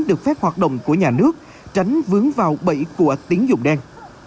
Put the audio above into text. được phép hoạt động của nhà nước tránh vướng vào bẫy của tín dụng đen